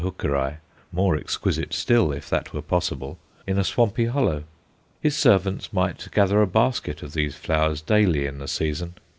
Hookeri_, more exquisite still, if that were possible, in a swampy hollow. His servants might gather a basket of these flowers daily in the season.